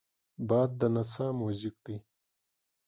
باد د نڅا موزیک دی